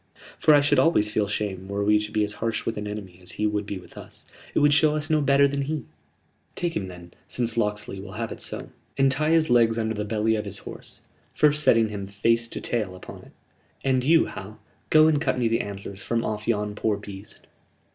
For I should always feel shame were we to be as harsh with an enemy as he would be with us. It would show us no better then he." "Take him then, since Locksley will have it so, and tie his legs under the belly of his horse first setting him face to tail upon it," said Will. "And you, Hal, go and cut me the antlers from off yon poor beast."